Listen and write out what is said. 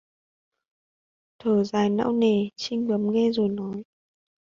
thở dài não nề Trinh bấm nghe rồi nói